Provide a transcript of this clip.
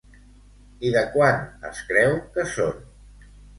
I de quan es creu que són?